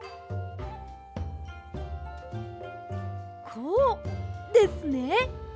こうですね。